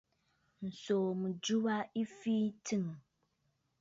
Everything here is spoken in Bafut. Ǹsòò mɨjɨ wa ɨ fii tsɨ̂ŋ.